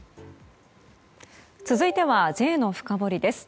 続いてはＪのフカボリです。